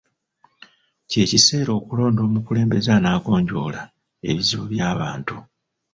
Ky'ekiseera okulonda omukulembeze anaagonjoola ebizibu by'abantu.